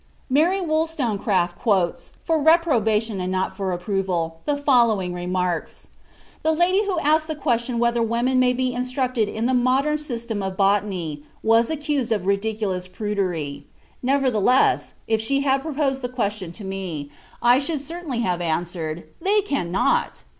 (Meteyard, Life of Wedgwood, vol. ii, p. 589.) Mary Wollstonecraft quotes (for reprobation and not for approval) the following remarks: "The lady who asked the question whether women may be instructed in the modern system of botany, was accused of ridiculous prudery; nevertheless, if she had proposed the question to me, I should certainly have answered: 'They cannot!'"